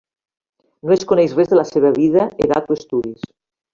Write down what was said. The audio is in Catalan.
No es coneix res de la seva vida, edat o estudis.